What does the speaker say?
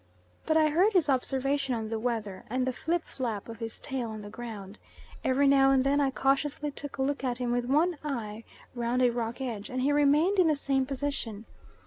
But I heard his observation on the weather, and the flip flap of his tail on the ground. Every now and then I cautiously took a look at him with one eye round a rock edge, and he remained in the same position.